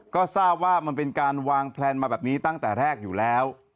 ก็ทราบว่ามันเป็นการวางแพลนมาแบบนี้ตั้งแต่แรกอยู่แล้ว